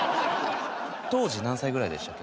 当時何歳ぐらいでしたっけ？